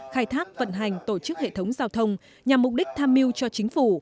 khai thác vận hành tổ chức hệ thống giao thông nhằm mục đích tham mưu cho chính phủ